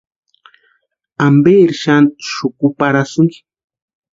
¿Amperi xani xukuparhasïnki?